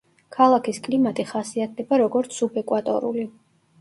ქალაქის კლიმატი ხასიათდება, როგორც სუბეკვატორული.